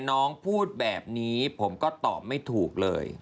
น้องพูดแบบนี้ผมก็ตอบไม่ถูกเลย